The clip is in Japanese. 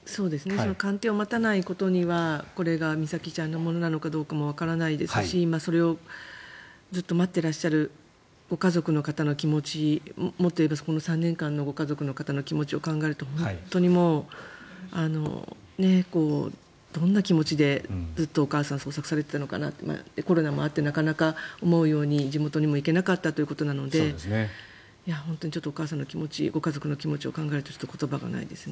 鑑定を待たないことにはこれが美咲ちゃんのものなのかどうかもわからないですしそれをずっと待っていらっしゃるご家族の方の気持ちもっと言えばこの３年間のご家族の方の気持ちを考えると本当に、もうどんな気持ちでずっとお母さん捜索されていたのかなとコロナもあってなかなか思うように地元にも行けなかったということなので本当にお母さんの気持ちご家族の気持ちを考えると言葉がないです。